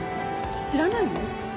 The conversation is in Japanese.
知らないの？